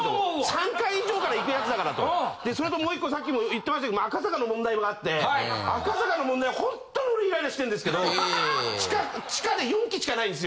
３階以上から行くやつだからとでそれともう１個さっきも言ってましたけど赤坂の問題もあって赤坂の問題はほんとに俺イライラしてるんですけど地下地下で４基しかないんですよ。